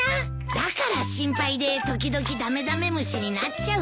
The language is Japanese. だから心配で時々ダメダメ虫になっちゃうんだよ。